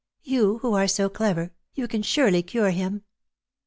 " You who are so clever, you can surely cure him."